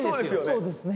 そうですね